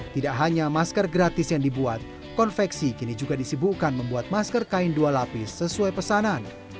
tidak hanya masker gratis yang dibuat konveksi kini juga disibukkan membuat masker kain dua lapis sesuai pesanan